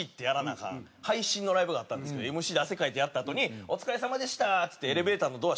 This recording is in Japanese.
配信のライブがあったんですけどＭＣで汗かいてやったあとに「お疲れさまでした」っつってエレベーターのドア